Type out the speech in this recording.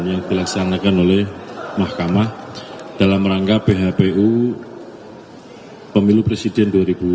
yang dilaksanakan oleh mahkamah dalam rangka bhpu pemilu presiden dua ribu dua puluh empat